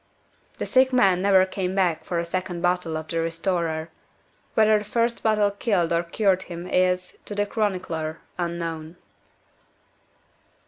The sick man never came back for a second bottle of the "Restorer." Whether the first bottle killed or cured him is, to the chronicler, unknown.